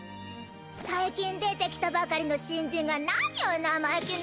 最近出てきたばかりの新人が何を生意気な。